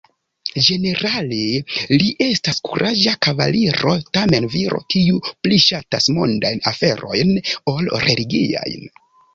Ĝenerale li estas kuraĝa kavaliro, tamen viro kiu pli ŝatas mondajn aferojn ol religiajn.